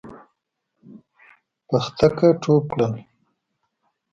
پختکه ټوپ کړل.